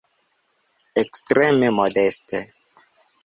Ekstreme modeste.